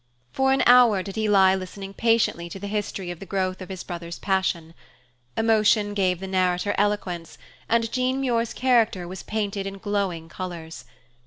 For an hour did he lie listening patiently to the history of the growth of his brother's passion. Emotion gave the narrator eloquence, and Jean Muir's character was painted in glowing colors.